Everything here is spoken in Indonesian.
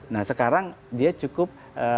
nah sekarang dia cukup